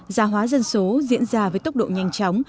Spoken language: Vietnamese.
gia hóa dân số diễn ra với tốc độ nhanh chóng